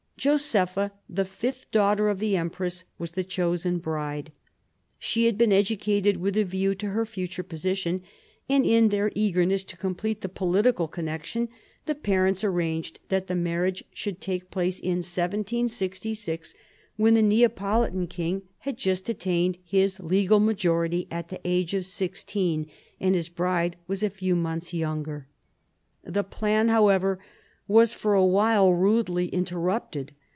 Josepha, the fifth daughter of the empress, was the chosen bride. She had been educated with a view to her future position, and in their eagerness to complete the political connec tion, the parents arranged that the marriage should take place in 1766, when the Neapolitan king had just i ■. W f. JHBi 216 THE CO REGENTS chap, x attained his legal majority at the age of sixteen, and his bride was a few months younger. The plan, however, was for a while rudely interrupted.